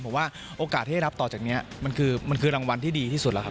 ผมว่าโอกาสที่ได้รับต่อจากนี้มันคือมันคือรางวัลที่ดีที่สุดแล้วครับ